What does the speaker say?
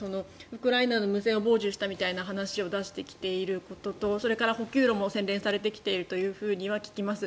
ウクライナの無線を傍受したみたいな話を出してきていることとそれから補給路も洗練されてきていると聞きます。